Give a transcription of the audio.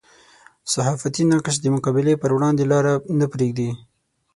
صحافتي نقش د مقابلې پر وړاندې لاره نه پرېږدي.